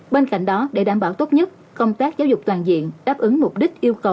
bên cạnh đó để đảm bảo tốt nhất công tác giáo dục toàn diện đáp ứng mục đích yêu cầu